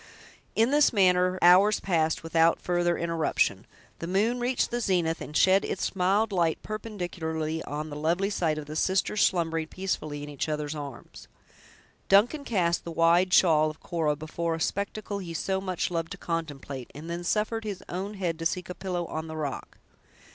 In this manner hours passed without further interruption. The moon reached the zenith, and shed its mild light perpendicularly on the lovely sight of the sisters slumbering peacefully in each other's arms. Duncan cast the wide shawl of Cora before a spectacle he so much loved to contemplate, and then suffered his own head to seek a pillow on the rock.